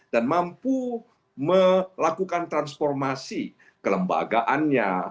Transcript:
dan mampu melakukan transformasi kelembagaannya